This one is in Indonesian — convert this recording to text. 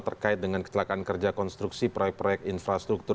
terkait dengan kecelakaan kerja konstruksi proyek proyek infrastruktur